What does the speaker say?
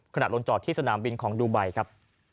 ขณะลงจอดที่สนามบินของดูไบครับ